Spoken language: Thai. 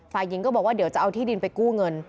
ฝ่ายหญิงก็บอกว่าเดี๋ยวจะเอาที่ดินไปกู้เงิน